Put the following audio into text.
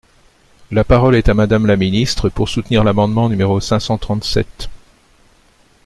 La parole est à Madame la ministre, pour soutenir l’amendement numéro cinq cent trente-sept.